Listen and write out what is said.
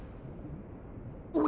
お。